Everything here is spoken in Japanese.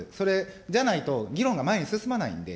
じゃないと、議論が前に進まないんで。